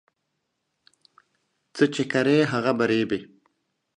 څه چي کرې، هغه به رېبې.